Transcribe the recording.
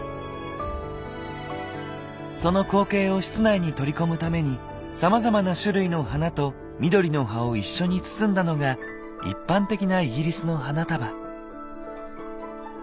その光景を室内に取り込むためにさまざまな種類の花と緑の葉を一緒に包んだのが一般的なイギリスの花束。